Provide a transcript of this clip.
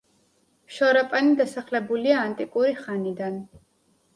შორაპანი დასახლებულია ანტიკური ხანიდან.